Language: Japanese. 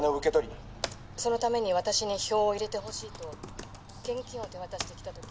「そのために私に票を入れてほしいと現金を手渡してきた時」